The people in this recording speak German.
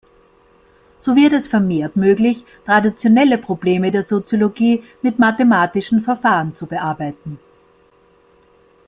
So wird es vermehrt möglich, traditionelle Probleme der Soziologie mit mathematischen Verfahren zu bearbeiten.